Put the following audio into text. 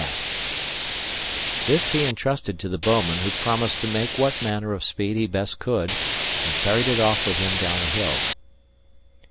S." This he intrusted to the bouman, who promised to make what manner of speed he best could, and carried it off with him down the hill.